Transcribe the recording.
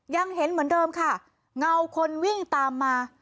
ยังเห็นเหมือนเดิมค่ะเงาคนวิ่งตามมา